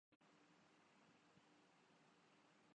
سورۂ رعد میں اس سے بھی واضح الفاظ میں یہ بات بیان ہوئی ہے